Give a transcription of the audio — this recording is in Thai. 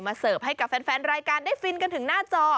เสิร์ฟให้กับแฟนรายการได้ฟินกันถึงหน้าจอ